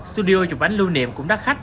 studio chụp ánh lưu niệm cũng đắt khách